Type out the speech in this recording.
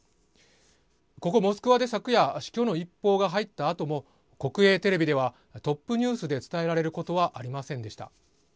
ここ、モスクワで昨夜死去の一報が入ったあとも国営テレビではトップニュースで伝えられることはありませんでした。